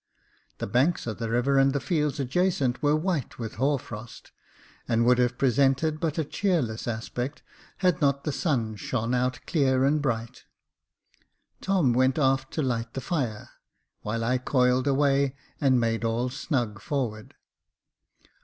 The banks of the river and fields adjacent were white with hoar frost, and would have presented but a cheerless aspect, had not the sun shone out clear and bright. Tom went aft to light the fire, while I coiled away and made all snug forward.